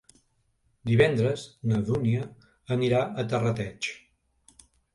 Divendres na Dúnia anirà a Terrateig.